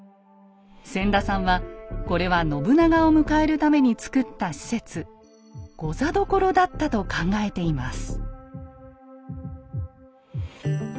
千田さんはこれは信長を迎えるために造った施設「御座所」だったと考えています。